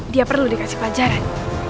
dia perlu dikasih pelajaran